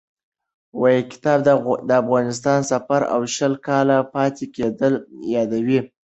کتاب د افغانستان سفر او شل کاله پاتې کېدل یادوي.